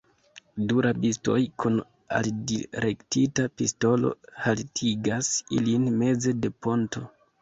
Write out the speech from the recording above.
Du rabistoj, kun aldirektita pistolo, haltigas ilin meze de ponto.